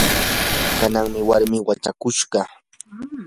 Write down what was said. kananmi warmii wachakushqa.